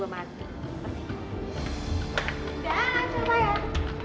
udah langsung payah